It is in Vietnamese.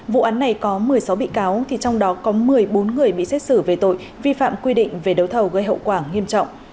vụ án này có một mươi sáu bị cáo trong đó có một mươi bốn người bị xét xử về tội vi phạm quy định về đấu thầu gây hậu quả nghiêm trọng